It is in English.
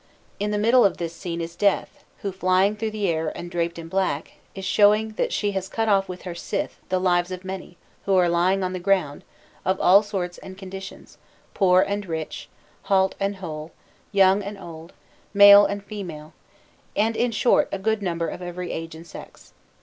In the middle of this scene is Death, who, flying through the air and draped in black, is showing that she has cut off with her scythe the lives of many, who are lying on the ground, of all sorts and conditions, poor and rich, halt and whole, young and old, male and female, and in short a good number of every age and sex.